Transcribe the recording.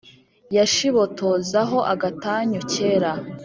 Yashibotoza ho agatanyu kera